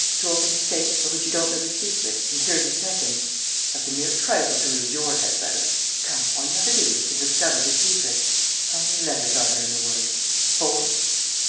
To open a safe, of which you don't know the secret, in thirty seconds. That's a mere trifle to lose your head about! Come, all you have to do is to discover the secret! How many letters are there in the word? Four?"